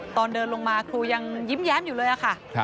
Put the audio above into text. ตอนเดินลงมาครูยังยิ้มแย้มอยู่เลยค่ะ